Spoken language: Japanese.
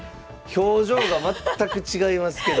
表情が全く違いますけども。